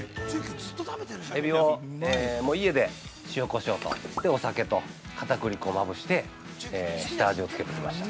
◆エビを、もう家で塩コショウとお酒と、片栗粉をまぶして下味をつけてきました。